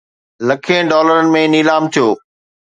لکين ڊالرن ۾ نيلام ٿيو